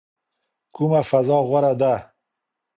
کومه فضا غوره ده؟